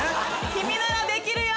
君ならできるよ！